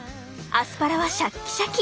アスパラはシャッキシャキ！